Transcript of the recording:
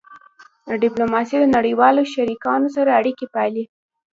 ډیپلوماسي د نړیوالو شریکانو سره اړیکې پالي.